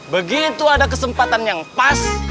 begitu ada kesempatan yang pas